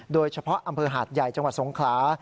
โดยเฉพาะอำเภอหาดใหญ่จังหวัดสงขลา